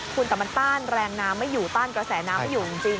คุณแต่มันต้านแรงน้ำไม่อยู่ต้านกระแสน้ำไม่อยู่จริง